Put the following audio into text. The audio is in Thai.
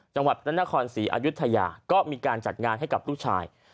จังหวัดพระนครศรีอายุทยาก็มีการจัดงานให้กับลูกชาย